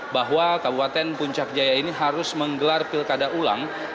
bahwa kabupaten puncak jaya ini harus menggelar pilkada ulang